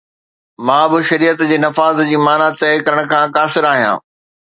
مان به شريعت جي نفاذ جي معنيٰ طئي ڪرڻ کان قاصر آهيان.